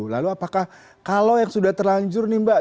lalu apakah kalau yang sudah terlanjur nih mbak